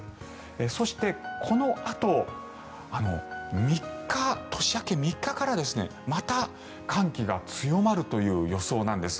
そしてこのあと年明け３日からまた、寒気が強まるという予想なんです。